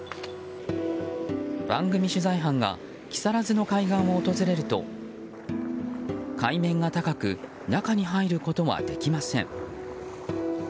番組取材班が木更津の海岸を訪れると海面が高く中に入ることはできません。